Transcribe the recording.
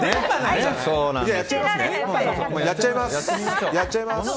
やっちゃいますね。